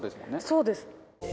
そうです。